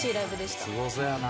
すごそうやな。